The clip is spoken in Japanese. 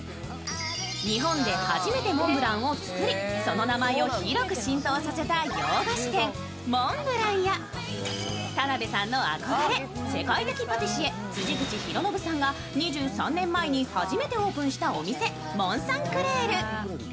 日本で初めてモンブランを作り、その名前を広く浸透させた洋菓子店、モンブランや田辺さんの憧れ、世界的パティシエ辻口博啓さんが２３年前に初めてオープンしたお店・モンサンクレール。